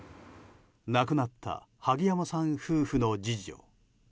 亡くなった萩山さん夫婦の次女。